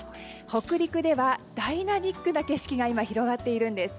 北陸ではダイナミックな景色が広がっているんです。